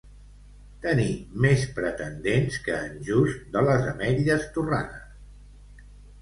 Tenir més pretendents que en Just de les ametlles torrades.